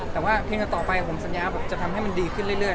แต่ว่าเพลงต่อไปผมสัญญาบอกจะทำให้มันดีขึ้นเรื่อย